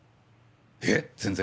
いえ全然。